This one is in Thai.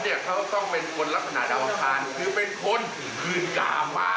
พี่แก้วที่คนต้องเจ็บตัวรับคือเลยใช่ไหมคะ